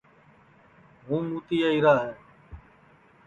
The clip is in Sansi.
ہُوں مُوتی آئیرا ہے